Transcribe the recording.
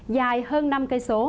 dài hơn năm km